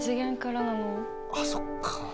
あっそっか。